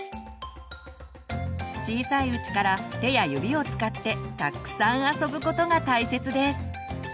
小さいうちから手や指を使ってたっくさん遊ぶことが大切です。